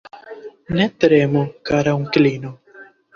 Ne tremu, kara onklino.